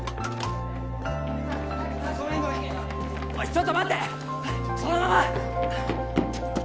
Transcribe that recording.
おいちょっと待てそのまま